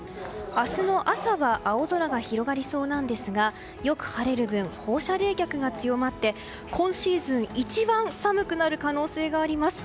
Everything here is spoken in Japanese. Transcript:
明日の朝は青空が広がりそうですがよく晴れる分放射冷却が強まって今シーズンで一番寒くなる可能性があります。